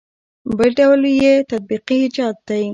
بل ډول یې تطبیقي ایجاد دی.